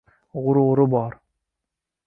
Ғурури бор –